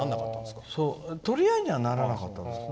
取り合いにならなかったんですか？